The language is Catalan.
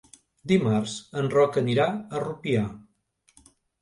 Dimarts en Roc anirà a Rupià.